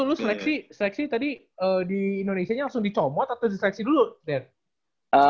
itu lo seleksi tadi di indonesia nya langsung dicomot atau seleksi dulu den